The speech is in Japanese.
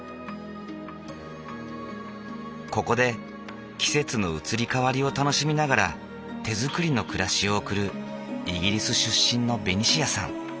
ここで季節の移り変わりを楽しみながら手づくりの暮らしを送るイギリス出身のベニシアさん。